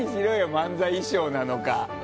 漫才衣装なのか